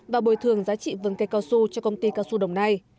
và bồi thường giá trị vườn cây cao su cho công ty cao su đồng nai